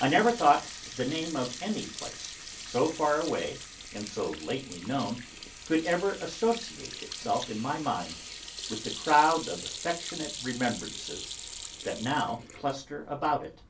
I never thought the name of any place, so far away and so lately known, could ever associate itself in my mind with the crowd of affectionate remembrances that now cluster about it.